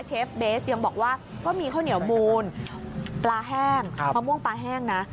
เชฟเบสยังบอกว่าก็มีข้าวเหนียวมูลปลาแห้งมะม่วงปลาแห้งนะ